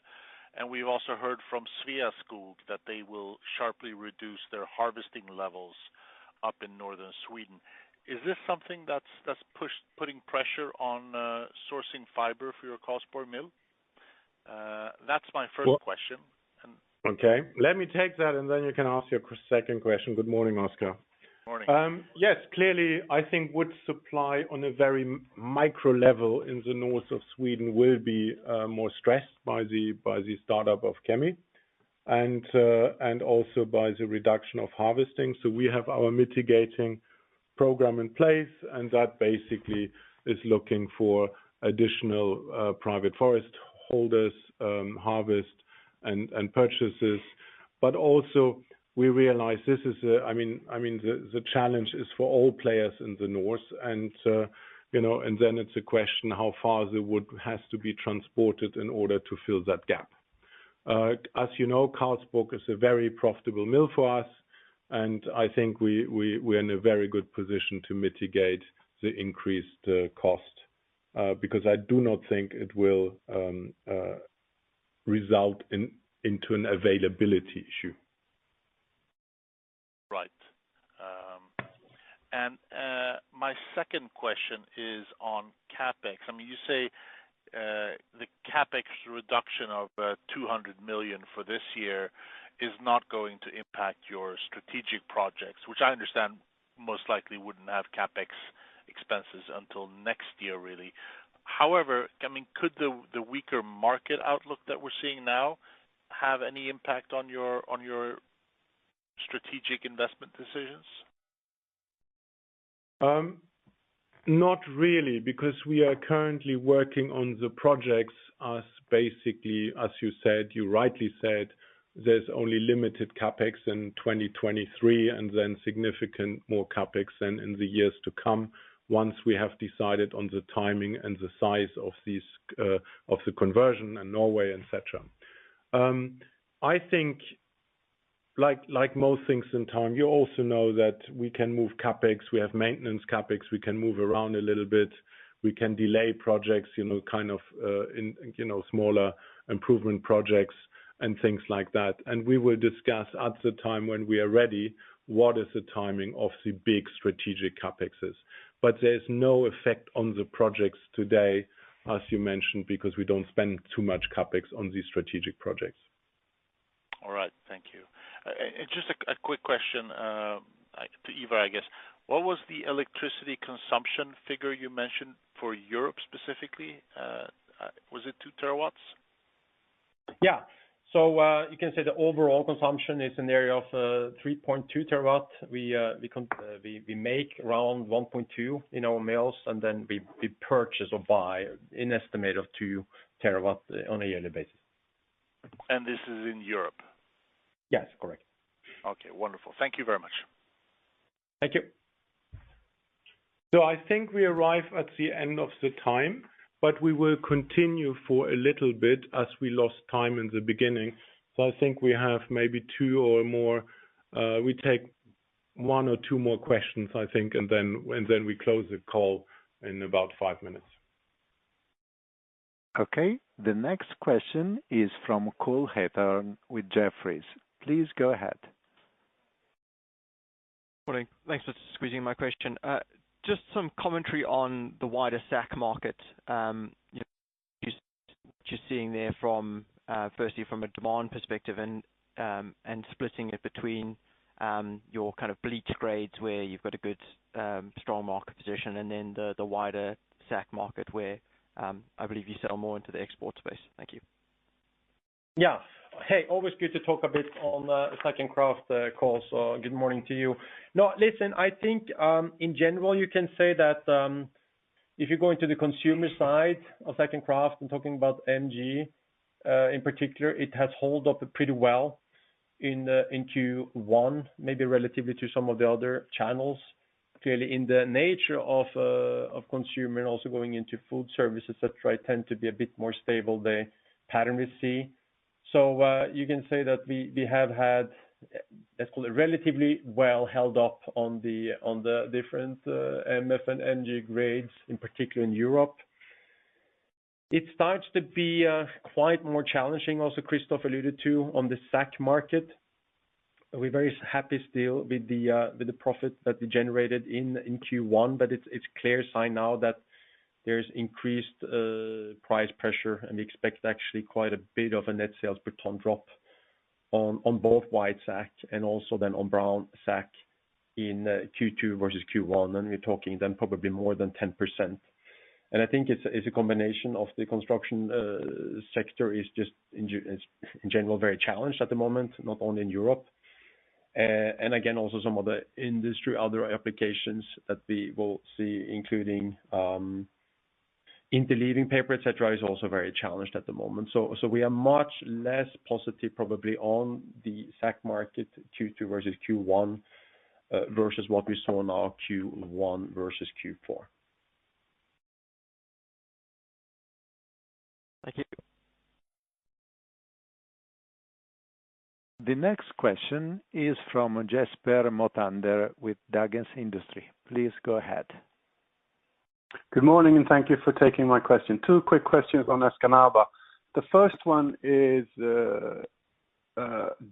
We've also heard from Sveaskog that they will sharply reduce their harvesting levels up in northern Sweden. Is this something that's putting pressure on sourcing fiber for your Karlsborg mill? That's my first question. Okay. Let me take that, and then you can ask your second question. Good morning, Oskar. Morning. Yes, clearly, I think wood supply on a very micro level in the north of Sweden will be more stressed by the startup of Kemi and also by the reduction of harvesting. We have our mitigating program in place, and that basically is looking for additional private forest holders, harvest and purchases. Also we realize this is a, I mean, the challenge is for all players in the north. You know, it's a question how far the wood has to be transported in order to fill that gap. As you know, Karlsborg is a very profitable mill for us, and I think we're in a very good position to mitigate the increased cost because I do not think it will result into an availability issue. Right. My second question is on CapEx. I mean, you say, the CapEx reduction of 200 million for this year is not going to impact your strategic projects, which I understand most likely wouldn't have CapEx expenses until next year, really. However, I mean, could the weaker market outlook that we're seeing now have any impact on your strategic investment decisions? Not really, because we are currently working on the projects as basically, as you said, you rightly said, there's only limited CapEx in 2023 and then significant more CapEx in the years to come once we have decided on the timing and the size of these, of the conversion in Norway, et cetera. I think like most things in time, you also know that we can move CapEx. We have maintenance CapEx we can move around a little bit. We can delay projects, you know, kind of, in, you know, smaller improvement projects and things like that. We will discuss at the time when we are ready, what is the timing of the big strategic CapExes. There's no effect on the projects today, as you mentioned, because we don't spend too much CapEx on these strategic projects. All right. Thank you. Just a quick question to Ivar, I guess. What was the electricity consumption figure you mentioned for Europe specifically? Was it 2 terawatts? Yeah. You can say the overall consumption is an area of 3.2 terawatt. We make around 1.2 in our mills, and then we purchase or buy an estimate of 2 terawatt on a yearly basis. This is in Europe? Yes, correct. Okay, wonderful. Thank you very much. Thank you. I think we arrive at the end of the time, but we will continue for a little bit as we lost time in the beginning. I think we have maybe two or more, we take one or two more questions, I think, and then we close the call in about five minutes. Okay. The next question is from Cole Hathorn with Jefferies. Please go ahead. Morning. Thanks for squeezing my question. Just some commentary on the wider sack market, you know, just seeing there from, firstly from a demand perspective and splitting it between your kind of bleach grades where you've got a good, strong market position and then the wider sack market where, I believe you sell more into the export space. Thank you. Yeah. Hey, always good to talk a bit on sack kraft call, good morning to you. Listen, I think, in general, you can say that if you're going to the consumer side of sack kraft and talking about MG, in particular, it has held up pretty well in Q1, maybe relatively to some of the other channels. Clearly in the nature of consumer and also going into food services, et cetera, tend to be a bit more stable, the pattern we see. You can say that we have had, let's call it, relatively well held up on the different MF and MG grades, in particular in Europe. It starts to be quite more challenging. Christophe alluded to on the sack market. We're very happy still with the with the profit that we generated in Q1, but it's clear sign now that there's increased price pressure, and we expect actually quite a bit of a net sales per ton drop on both white sack and also then on brown sack in Q2 versus Q1. We're talking then probably more than 10%. I think it's a combination of the construction sector is just in general very challenged at the moment, not only in Europe. And again, also some of the industry, other applications that we will see, including interleaving paper, etc., is also very challenged at the moment. We are much less positive probably on the sack market Q2 versus Q1 versus what we saw now, Q1 versus Q4. Thank you. The next question is from Jesper Mothander with Dagens industri. Please go ahead. Good morning. Thank you for taking my question. Two quick questions on Escanaba. The first 1 is,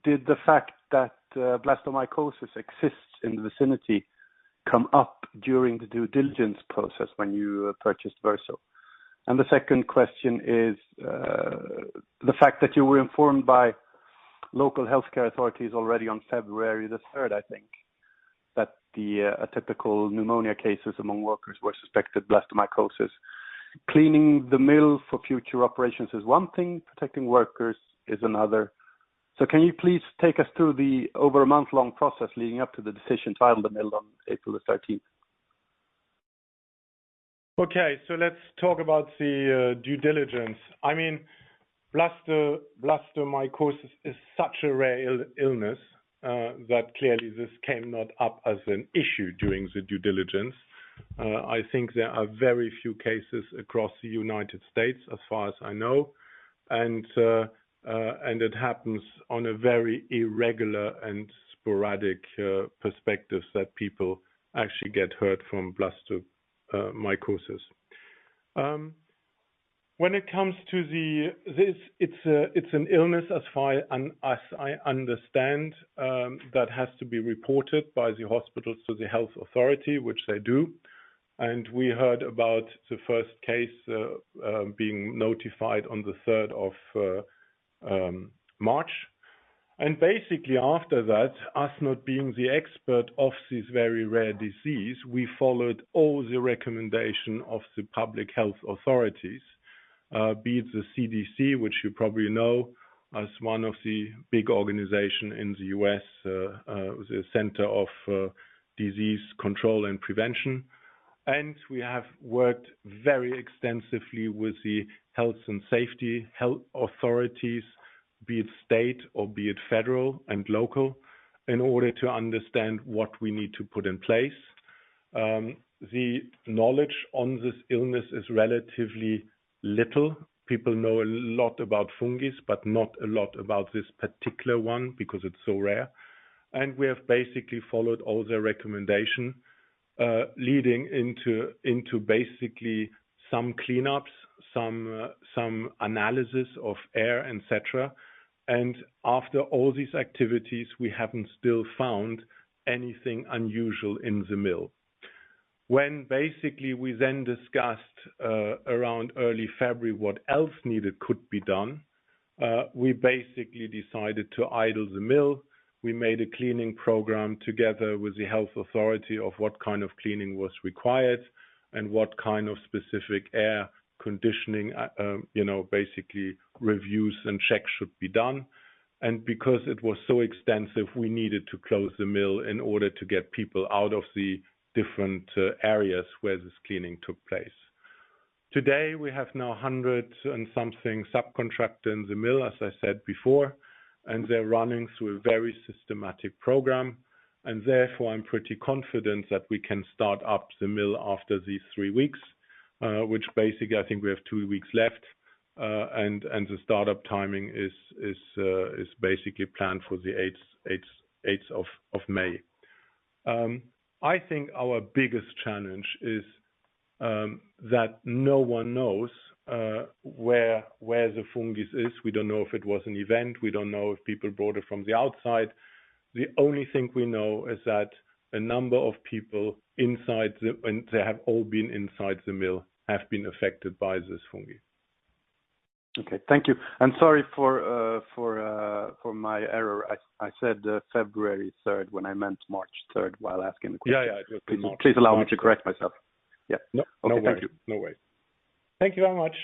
did the fact that blastomycosis exists in the vicinity come up during the due diligence process when you purchased Verso? The second question is, the fact that you were informed by local healthcare authorities already on February the third, I think, that the atypical pneumonia cases among workers were suspected blastomycosis. Cleaning the mill for future operations is 1 thing, protecting workers is another. Can you please take us through the over a month-long process leading up to the decision to idle the mill on April the thirteenth? Okay, let's talk about the due diligence. I mean, blastomycosis is such a rare illness that clearly this came not up as an issue during the due diligence. I think there are very few cases across the United States as far as I know. It happens on a very irregular and sporadic perspectives that people actually get hurt from blastomycosis. When it comes to this, it's an illness as far and as I understand that has to be reported by the hospitals to the health authority, which they do. We heard about the first case being notified on the third of March. Basically after that, us not being the expert of this very rare disease, we followed all the recommendation of the public health authorities, be it the CDC, which you probably know as one of the big organization in the U.S., the Center of Disease Control and Prevention. We have worked very extensively with the health and safety authorities, be it state or be it federal and local, in order to understand what we need to put in place. The knowledge on this illness is relatively little. People know a lot about fungus, but not a lot about this particular one because it's so rare. We have basically followed all their recommendation, leading into basically some cleanups, some analysis of air, et cetera. After all these activities, we haven't still found anything unusual in the mill. When basically we then discussed, around early February what else needed could be done, we basically decided to idle the mill. We made a cleaning program together with the health authority of what kind of cleaning was required and what kind of specific air conditioning, you know, basically reviews and checks should be done. Because it was so extensive, we needed to close the mill in order to get people out of the different areas where this cleaning took place. Today, we have now hundred and something subcontractor in the mill, as I said before, and they're running through a very systematic program. Therefore, I'm pretty confident that we can start up the mill after these three weeks, which basically I think we have two weeks left. The startup timing is basically planned for the 8th of May. I think our biggest challenge is that no one knows where the fungus is. We don't know if it was an event. We don't know if people brought it from the outside. The only thing we know is that a number of people, and they have all been inside the mill, have been affected by this fungi. Okay. Thank you. I'm sorry for my error. I said February 3rd when I meant March 3rd while asking the question. Yeah, yeah. It was March. Please allow me to correct myself. Yeah. No. Okay. Thank you. No worries. Thank you very much.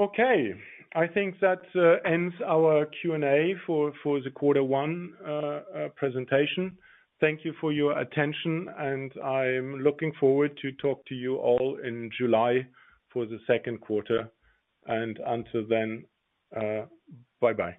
Okay. I think that ends our Q&A for the quarter one presentation. Thank you for your attention. I'm looking forward to talk to you all in July for the second quarter. Until then, bye-bye.